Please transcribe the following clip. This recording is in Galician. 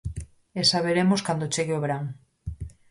E xa veremos cando chegue o verán.